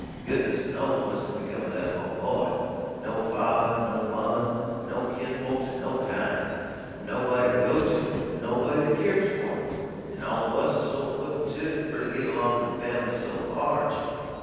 Goodness knows what's to become o' that po' boy. No father, no mother, no kin folks of no kind. Nobody to go to, nobody that k'yers for him and all of us is so put to it for to get along and families so large."